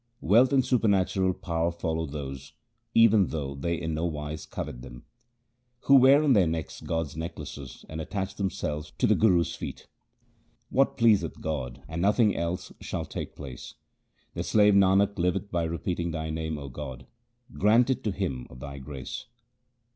Wealth and supernatural power follow those, even though they in no wise covet them, Who wear on their necks God's necklaces 1 and attach themselves to the Guru's feet. What pleaseth God and nothing else shall take place. The slave Nanak liveth by repeating Thy name, O God ; grant it to him of Thy grace.